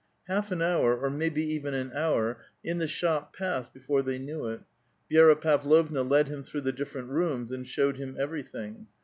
Half an hour, or maybe even an hour, in the shop passed before they knew it. Vi6ra Pavlovna led him through the different rooms, and showed him everything.